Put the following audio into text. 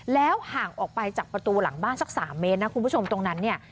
แล้วห่างออกไปจากประตูหลังบ้านสัก๓เมตรนะคุณผู้ชมตรงนั้นเนี่ย